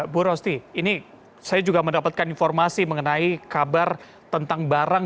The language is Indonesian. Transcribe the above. bu rosti ini saya juga mendapatkan informasi mengenai kabar tentang barang